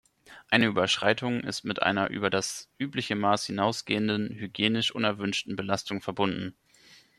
Eine Überschreitung ist mit einer über das übliche Maß hinausgehenden, hygienisch unerwünschten Belastung verbunden.